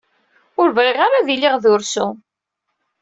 Ur bɣiɣ ara ad iliɣ d ursu.